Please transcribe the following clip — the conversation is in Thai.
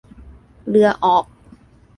เรือออก